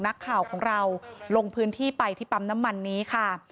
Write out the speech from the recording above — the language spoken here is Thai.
นักข่าวของเราลงพื้นที่ไปที่ปั๊มน้ำมันนี้ค่ะ